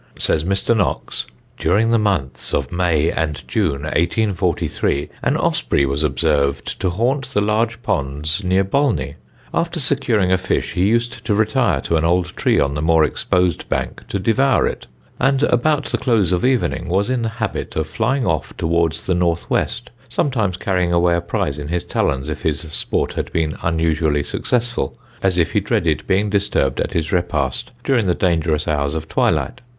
Says Mr. Knox, "During the months of May and June, 1843, an osprey was observed to haunt the large ponds near Bolney. After securing a fish he used to retire to an old tree on the more exposed bank to devour it, and about the close of evening was in the habit of flying off towards the north west, sometimes carrying away a prize in his talons if his sport had been unusually successful, as if he dreaded being disturbed at his repast during the dangerous hours of twilight.